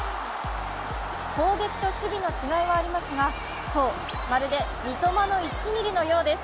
攻撃と守備の違いはありますが、そう、まるで三笘の１ミリのようです。